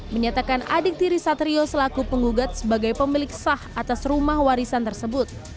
menyatakan adik tiri satrio selaku penggugat sebagai pemilik sah atas rumah warisan tersebut